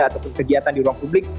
ataupun kegiatan di ruang publik